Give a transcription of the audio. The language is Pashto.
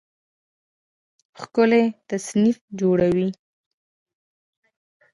ښکلی تصنیف جوړوي